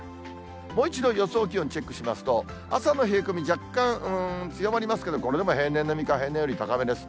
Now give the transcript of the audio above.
もう一度予想気温チェックしますと、朝の冷え込み、若干強まりますけど、これでも平年並みか、平年より高めです。